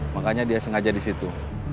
makanya dia sengaja di situ